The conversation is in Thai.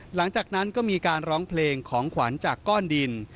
หลังจากนั้นก็มีการร้องเพลงของขวัญจากก้อนดิน